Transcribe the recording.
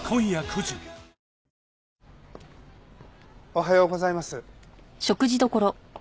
おはようございます。